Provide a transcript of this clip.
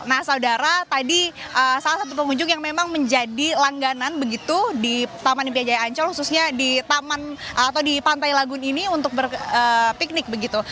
nah saudara tadi salah satu pengunjung yang memang menjadi langganan begitu di taman impian jaya ancol khususnya di taman atau di pantai lagun ini untuk berpiknik begitu